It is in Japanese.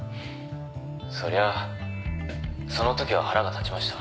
「そりゃその時は腹が立ちました」